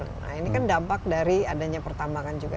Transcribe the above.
nah ini kan dampak dari adanya pertambangan juga